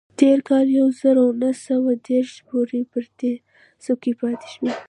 تر کال يو زر و نهه سوه دېرش پورې پر دې څوکۍ پاتې شو.